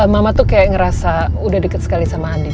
mama tuh kayak ngerasa udah deket sekali sama andin